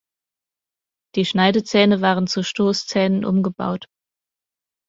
Die Schneidezähne waren zu Stoßzähnen umgebaut.